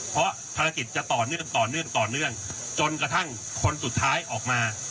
เพราะภารกิจจะต่อเนื่องต่อเนื่องต่อเนื่องจนกระทั่งคนสุดท้ายออกมา